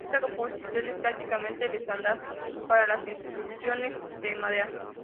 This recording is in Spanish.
Esta posición es prácticamente el estándar para los instrumentos de madera.